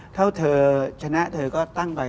ถ้าเธอชนะเธอก็ตั้งไป